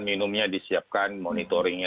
minumnya disiapkan monitoringnya